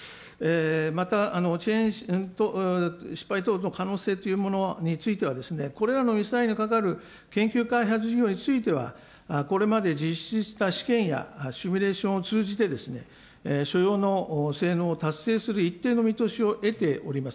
また、失敗等の可能性というものについては、これらのミサイルにかかる研究開発事業については、これまで実施した試験やシミュレーションを通じて、所要な性能を達成する一定の見通しを得ております。